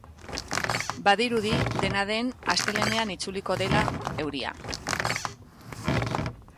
Badirudi, dena den, astelehenean itzuliko dela euria.